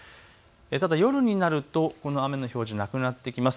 ただ夜になるとこの雨の表示なくなってきます。